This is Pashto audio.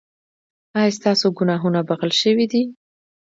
ایا ستاسو ګناهونه بښل شوي دي؟